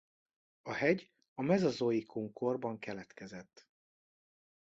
A hegy a mezozoikum korban keletkezett.